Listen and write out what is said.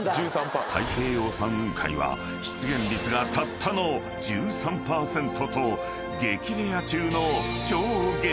［太平洋産雲海は出現率がたったの１３％と激レア中の］